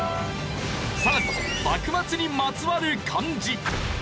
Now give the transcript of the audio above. さらに幕末にまつわる漢字。